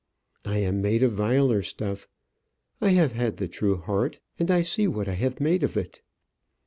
I am made of viler stuff. I have had the true heart, and see what I have made of it!